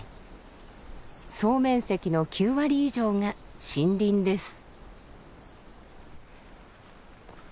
総面積の９割以上が森林です。